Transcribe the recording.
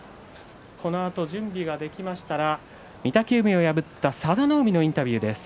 このあと準備ができましたら御嶽海を破った佐田の海のインタビューです。